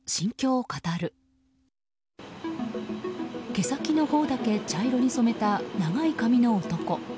毛先のほうだけ茶色に染めた長い髪の男。